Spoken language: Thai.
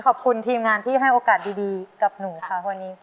ขอบคุณทีมงานที่ให้โอกาสดีกับหนูค่ะวันนี้